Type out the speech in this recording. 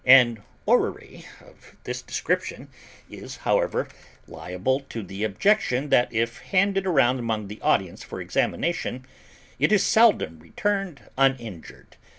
An orrery of this description is, however, liable to the objection that if handed around among the audience for examination, it is seldom returned uninjured.